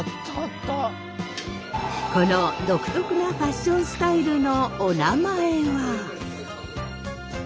この独特なファッションスタイルのおなまえは？